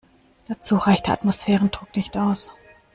Dazu reicht der Atmosphärendruck nicht aus.